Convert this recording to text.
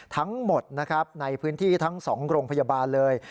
ทั้งหมดนะครับในพื้นที่ทั้ง๒โรงพยาบาลเลย